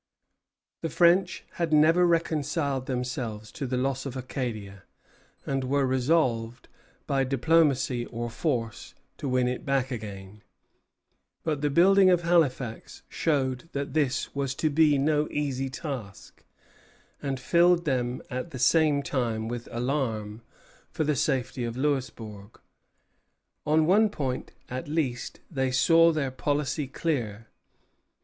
The French had never reconciled themselves to the loss of Acadia, and were resolved, by diplomacy or force, to win it back again; but the building of Halifax showed that this was to be no easy task, and filled them at the same time with alarm for the safety of Louisbourg. On one point, at least, they saw their policy clear.